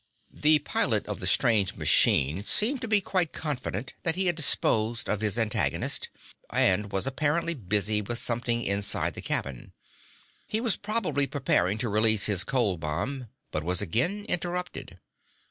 The pilot of the strange machine seemed to be quite confident that he had disposed of his antagonist, and was apparently busy with something inside the cabin. He was probably preparing to release his cold bomb, but was again interrupted.